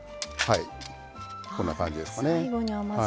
こんな感じですかね。